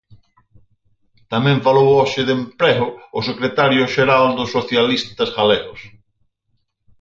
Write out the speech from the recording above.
Tamén falou hoxe de emprego o secretario xeral dos socialistas galegos.